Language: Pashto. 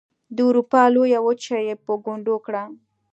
د اروپا لویه وچه یې په ګونډو کړه.